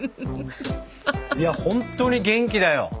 いやほんとに元気だよ。